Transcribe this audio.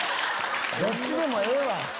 どっちでもええわ。